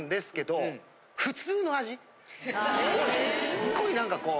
すっごい何かこう。